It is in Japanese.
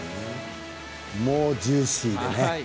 ジューシーでね。